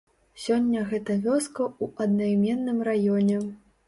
Сёння гэта вёска ў аднайменным раёне.